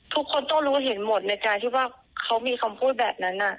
ทุกคนต้องรู้เห็นหมดในการที่ว่าเขามีคำพูดแบบนั้น